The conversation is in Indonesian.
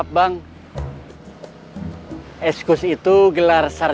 tasik tasik tasik